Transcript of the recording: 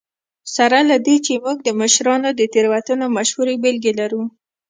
سره له دې چې موږ د مشرانو د تېروتنو مشهورې بېلګې لرو.